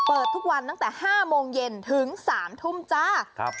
เปิดทุกวันตั้งแต่๕โมงเย็นถึง๓ทุ่มจ้าครับ